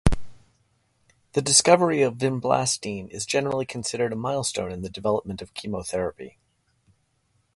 The discovery of vinblastine is generally considered a milestone in the development of chemotherapy.